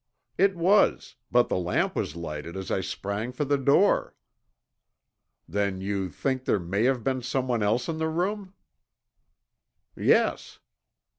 "It was, but the lamp was lighted as I sprang for the door." "Then you think there may have been someone else in the room?" "Yes."